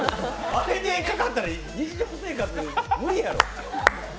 あれでかかったら、日常生活無理やろう！